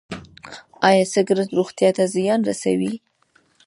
ایا سګرټ روغتیا ته زیان رسوي؟